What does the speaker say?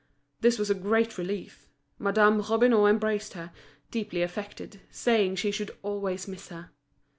This was a great relief. Madame Robineau embraced her, deeply affected, saying she should always miss her.